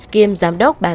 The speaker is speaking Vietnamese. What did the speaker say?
kiêm giám đốc bàn